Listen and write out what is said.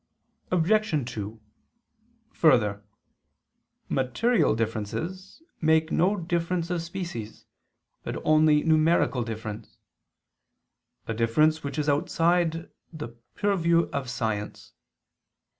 Obj. 2: Further, material differences makes no difference of species, but only numerical difference; a difference which is outside the purview of science.